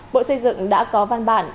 bộ xây dựng đã có văn bản